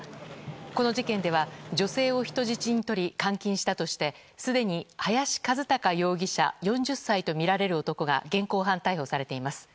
この事件では女性を人質にとり監禁したとしてすでに林一貴容疑者４０歳とみられる男が現行犯逮捕されています。